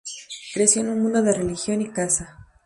Creció en un mundo de religión y caza.